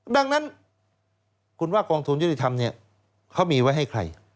ดังนั้นคุณว่ากองทุนยุติธรรมเนี่ยเขามีไว้ให้ใคร